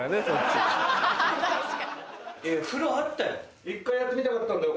風呂あったよ。